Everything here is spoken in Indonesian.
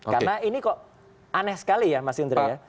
karena ini kok aneh sekali ya mas indra ya